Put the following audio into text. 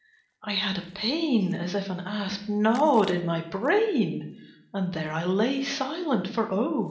"I had a pain, as if an asp Gnawed in my brain, and there I lay Silent, for oh!